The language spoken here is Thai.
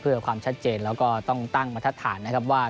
เพื่อความชัดเจนแล้วก็ต้องตั้งบรรทัดฐานนะครับว่า